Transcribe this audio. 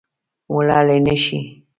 وړلای نه شي